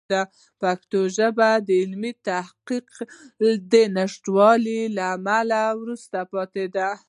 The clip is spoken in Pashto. پښتو ژبه د علمي تحقیق د نشتوالي له امله وروسته پاتې ده.